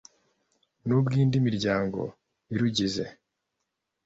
n ubw indi miryango irugize